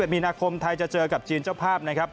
มีนาคมไทยจะเจอกับจีนเจ้าภาพนะครับ